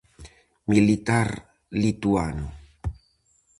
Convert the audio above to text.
Militar lituano.